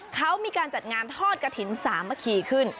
เขามีการจัดงานทอดกระถิ่นสามัคคีขึ้น